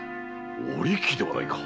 お力ではないか！